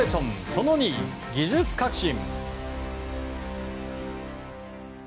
その２、技術革新。